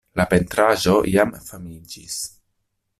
La pentraĵo jam famiĝis.